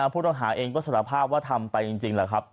พวกต่อหาเองก็สัดภาพว่าทำไปจริงแล้วครับ